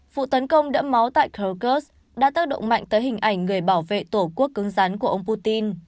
vụ tấn công đẫm máu tại krokus đã tác động mạnh tới hình ảnh người bảo vệ tổ quốc cứng rắn của ông putin